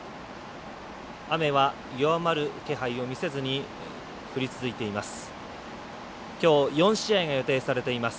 雨は、弱まる気配を見せずに降り続いています。